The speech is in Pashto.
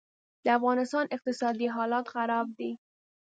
دافغانستان اقتصادي حالات خراب دي